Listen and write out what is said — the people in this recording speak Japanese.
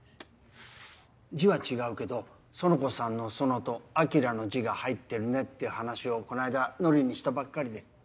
字は違うけど苑子さんの「その」と「晶」の字が入ってるねって話をこの間のりにしたばっかりで。